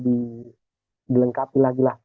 dilengkapi lagi lah